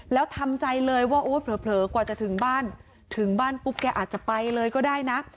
แล้วทำใจเลยว่าโอ้เผลอกว่าจะถึงบ้านถึงบ้านปุ๊บแกอาจจะไปเลยก็ได้นะ